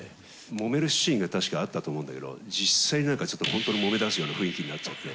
もめるシーンが確かあったと思うんだけど、実際なんかちょっと本当にもめだすような雰囲気になっちゃって。